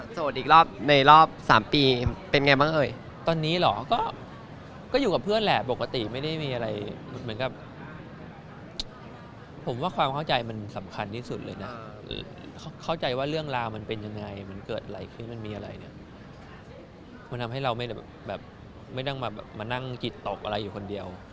อเจมส์ผมว่าความเข้าใจมันสำคัญที่สุดเลยนะเข้าใจว่าเรื่องราวมันเป็นยังไงมันเกิดอะไรขึ้นมันมีอะไรมันทำให้เราไม่ต้องมานั่งกิดตกอะไรอยู่คนเดียว